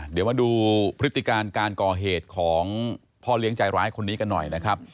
เดี๋ยวมาดูพฤติการการก่อเหตุของพ่อเลี้ยงใจร้ายคนนี้กันหน่อยนะครับ